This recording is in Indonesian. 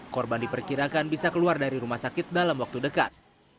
korban diperkirakan bisa keluar dari rumah sakit dalam waktu dekat